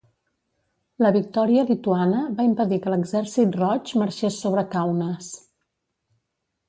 La victòria lituana va impedir que l'Exèrcit Roig marxés sobre Kaunas.